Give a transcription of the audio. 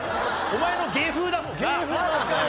お前の芸風だもんな。